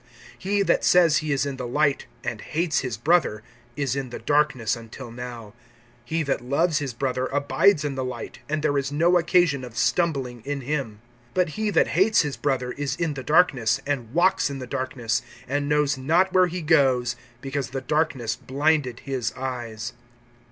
(9)He that says he is in the light, and hates his brother, is in the darkness until now. (10)He that loves his brother abides in the light, and there is no occasion of stumbling in him. (11)But he that hates his brother is in the darkness, and walks in the darkness, and knows not where he goes, because the darkness blinded his eyes.